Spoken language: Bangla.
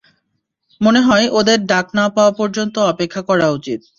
মনেহয়, ওদের ডাক না পাওয়া পর্যন্ত অপেক্ষা করা উচিত।